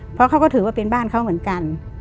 เพราะเขาก็ถือว่าเป็นบ้านเขาเหมือนกัน